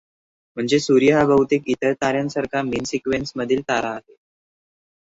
म्हणजे सूर्य हा बहुतेक इतर तार् यांसारखा मेन सिक्वेन्स मधील तारा आहे.